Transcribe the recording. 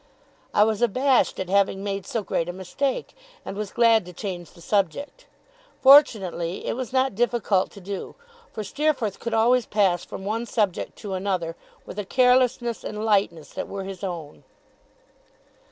I was abashed at having made so great a mistake, and was glad to change the subject. Fortunately it was not difficult to do, for Steerforth could always pass from one subject to another with a carelessness and lightness that were his own.